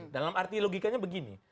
dalam arti logikanya begini